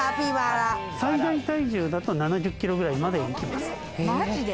最大体重だと７０ｋｇくらいまで行きます。